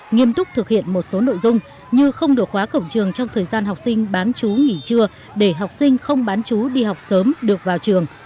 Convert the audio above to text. nghiêm túc thực hiện một số nội dung như không đổ khóa cổng trường trong thời gian học sinh bán chú nghỉ trưa để học sinh không bán chú đi học sớm được vào trường